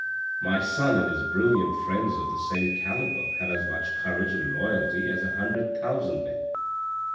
My son and his brilliant friends of the same calibre have as much courage and loyalty as a hundred thousand men.